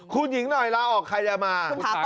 คุณหญิงหน่อยลาออกใครจะมา